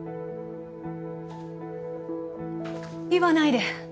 言わないで！